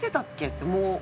ってもう。